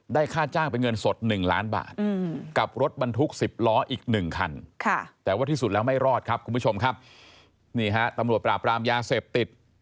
ได้ค่าจ้างเป็นเงินสด๑ล้านบาท